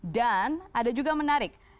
dan ada juga menarik